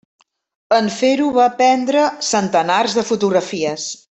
En fer-ho va prendre centenars de fotografies.